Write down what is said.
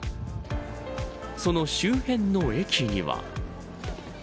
その周辺の駅には。